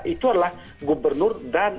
itu adalah gubernur dan